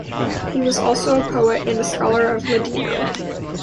He was also a poet and a scholar of Ladino.